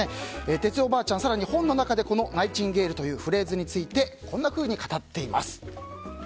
哲代おばあちゃん、更に本の中でナイチンゲールというフレーズについてこんなふうに語っています。